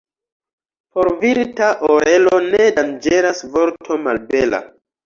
Por virta orelo ne danĝeras vorto malbela.